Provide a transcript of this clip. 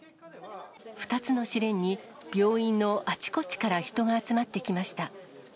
２つの試練に病院のあちこちから人が集まってきました。